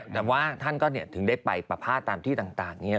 แต่ทำว่าท่านก็เนี่ยถึงได้ไปปร์พาสตามที่ต่างเนี่ย